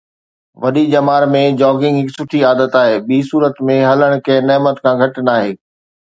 وڏي ڄمار ۾ جاگنگ هڪ سٺي عادت آهي ٻي صورت ۾ هلڻ ڪنهن نعمت کان گهٽ ناهي